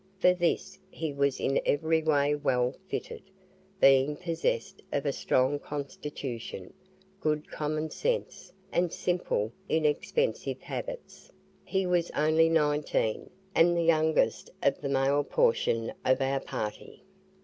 For this he was in every way well fitted, being possessed of a strong constitution, good common sense, and simple inexpensive habits; he was only nineteen, and the youngest of the male portion of our party.